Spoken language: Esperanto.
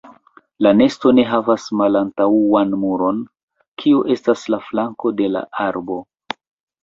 La nesto ne havas malantaŭan muron, kio estas la flanko de la arbo.